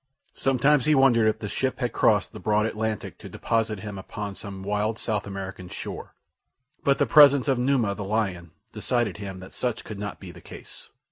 Sometimes he wondered if the ship had crossed the broad Atlantic to deposit him upon some wild South American shore; but the presence of Numa, the lion, decided him that such could not be the case.